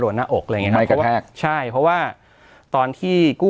หน้าอกอะไรอย่างเงี้มันกระแทกใช่เพราะว่าตอนที่กู้